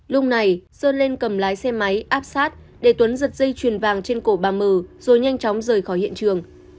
lúc này sơn lên cầm lái xe máy áp sát để tuấn giật dây chuyền vàng trên cổ bà mư rồi nhanh chóng rời khỏi hiện trường